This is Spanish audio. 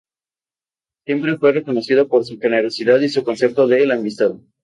Siempre fue reconocido por su generosidad y su concepto de la amistad.